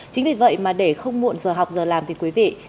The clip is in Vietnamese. chính vì vậy mà để không muộn giờ học giờ làm thì quý vị